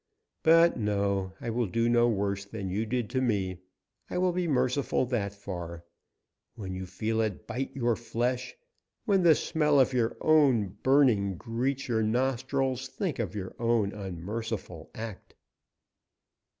But, no, I will do no worse than you did to me. I will be merciful that far. When you feel it bite your flesh, when the smell of your own burning greets your nostrils, think of your own unmerciful act."